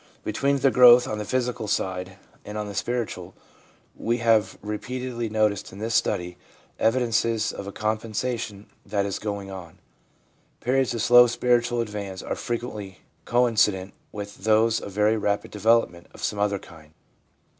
Between the growth on the physical side and on the spiritual we have repeatedly noticed in this study evidences of a compensation that is going on ; periods of slow spiritual advance are frequently coincident with those of very rapid development of some other kind.